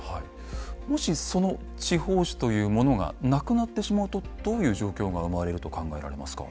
もしその地方紙というものがなくなってしまうとどういう状況が生まれると考えられますか？